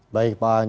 baik pak an